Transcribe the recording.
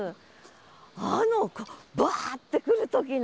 あのバーッてくる時の。